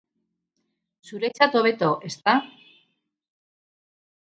Zuretzat hobeto, ezta?